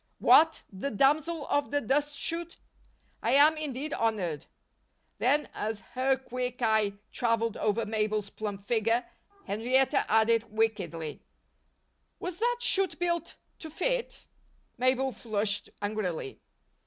"What! The Damsel of the Dust chute! I am indeed honored." Then, as her quick eye traveled over Mabel's plump figure, Henrietta added wickedly: "Was that chute built to fit?" Mabel flushed angrily.